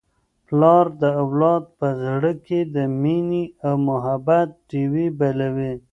پلار د اولاد په زړه کي د مینې او محبت ډېوې بلوي.